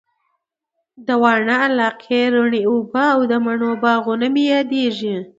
د واڼه علاقې رڼې اوبه او د مڼو باغونه مي ياديږي